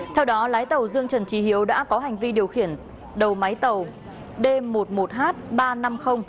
theo đó lái tàu dương trần trì hiếu đã có hành vi điều khiển đầu máy tàu d một mươi một h ba trăm ba mươi ba